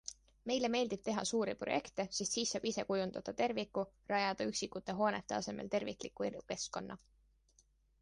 Meile meeldib teha suuri projekte, sest siis saab ise kujundada terviku, rajada üksikute hoonete asemel tervikliku elukeskkonna.